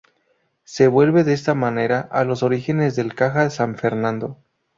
Se vuelve, de esta manera, a los orígenes del "Caja San Fernando".